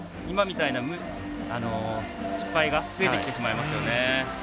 今みたいな失敗が増えてきてしまいますよね。